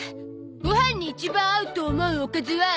ご飯に一番合うと思うおかずはなんですか？